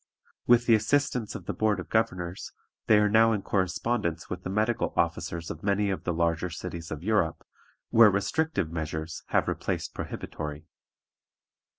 With the assistance of the Board of Governors, they are now in correspondence with the medical officers of many of the larger cities of Europe, where restrictive measures have replaced prohibitory.